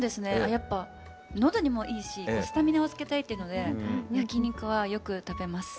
やっぱ喉にもいいしスタミナをつけたいというので焼き肉はよく食べます。